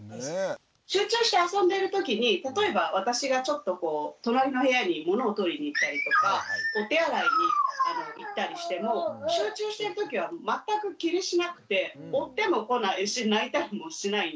集中して遊んでる時に例えば私がちょっとこう隣の部屋に物を取りに行ったりとかお手洗いに行ったりしても集中してる時は全く気にしなくて追ってもこないし泣いたりもしないんです。